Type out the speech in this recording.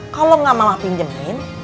kalau gak mama pinjemin